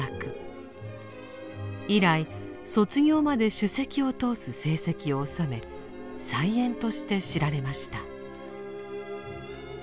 以来卒業まで首席を通す成績をおさめ才媛として知られました。